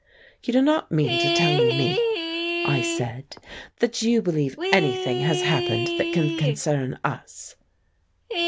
"You do not mean to tell me," I said, "that you believe anything has happened that can concern us?"